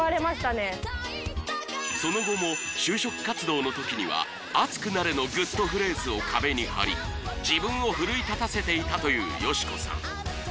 その後も就職活動の時には「熱くなれ」のグッとフレーズを壁に貼り自分を奮い立たせていたというよしこさん